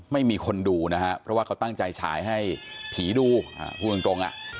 ไม่มีคนดูนะฮะเพราะว่าเขาตั้งใจฉายให้ผีดูพูดตรงอ่ะ